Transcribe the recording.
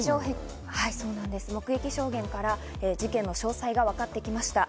目撃証言から事件の詳細が分かってきました。